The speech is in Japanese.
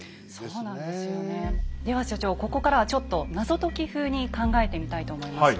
では所長ここからはちょっと謎解き風に考えてみたいと思います。